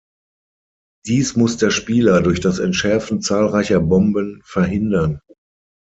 Dies muss der Spieler durch das entschärfen zahlreicher Bomben verhindern.